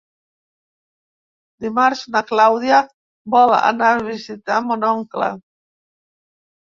Dimarts na Clàudia vol anar a visitar mon oncle.